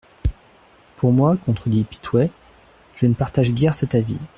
Pour moi, contredit Pitouët, je ne partage guère cet avis.